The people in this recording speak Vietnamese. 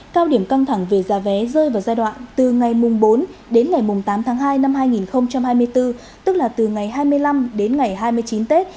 cao điểm căng thẳng về giá vé rơi vào giai đoạn từ ngày bốn đến ngày tám tháng hai năm hai nghìn hai mươi bốn tức là từ ngày hai mươi năm đến ngày hai mươi chín tết